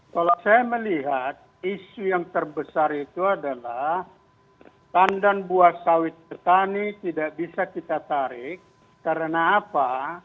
kalau saya melihat isu yang terbesar itu adalah tandan buah sawit petani tidak bisa kita tarik karena apa